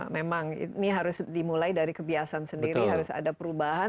memang ini harus dimulai dari kebiasaan sendiri harus ada perubahan